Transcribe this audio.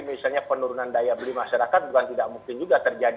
misalnya penurunan daya beli masyarakat bukan tidak mungkin juga terjadi